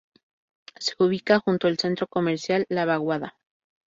Se ubica junto al Centro Comercial La Vaguada.